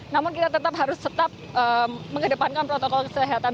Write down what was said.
namun kita tetap harus tetap mengedepankan protokol kesehatan